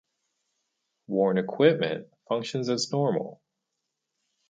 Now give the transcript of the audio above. Worn equipment functions as normal.